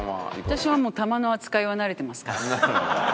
私はもうタマの扱いは慣れてますから。